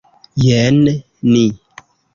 Jen ni!